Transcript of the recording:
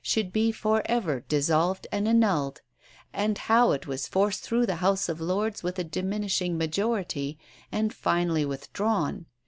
should be for ever dissolved and annulled how it was forced through the House of Lords with a diminishing majority, and finally withdrawn.